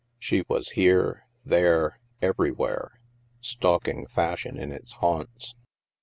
She was here, there, everywhere, stalking Fashion in its haunts.